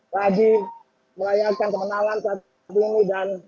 lagi merayakan kemenangan saat ini